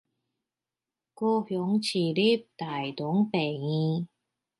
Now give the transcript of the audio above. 高雄市立大同醫院